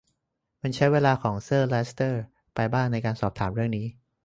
มันใช้เวลาของเซอร์ เลสเตอร์ไปบ้างในการสอบถามเรื่องนี้